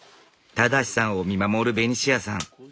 正さんを見守るベニシアさん。